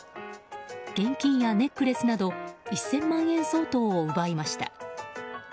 現金やネックレスなど１０００万円相当を奪いました。